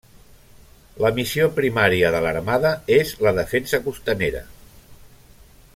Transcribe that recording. La missió primària de l'Armada, és la defensa costanera.